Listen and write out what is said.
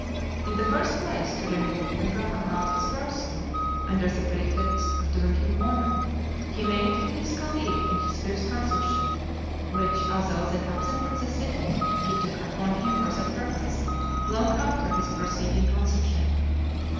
In the first place, to remove him from about his person, under the pretext of doing him honour, he made him his colleague in his fifth consulship; which, although then absent from the city, he took upon him for that purpose, long after his preceding consulship.